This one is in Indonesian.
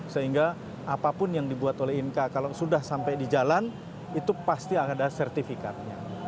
sehingga apapun yang dibuat oleh inka kalau sudah sampai di jalan itu pasti akan ada sertifikatnya